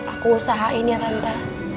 aku usahain ya tante